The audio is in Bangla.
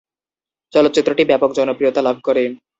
চলচ্চিত্রটি ব্যাপক জনপ্রিয়তা লাভ করে।